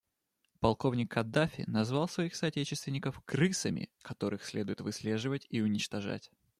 Полковник Каддафи назвал своих соотечественников «крысами», которых следует выслеживать и уничтожать.